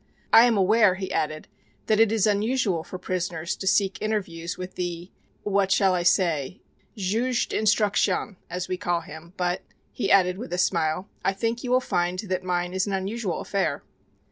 I am aware," he added, "that it is unusual for prisoners to seek interviews with the what shall I say juge d'instruction, as we call him, but," he added with a smile, "I think you will find that mine is an unusual affair."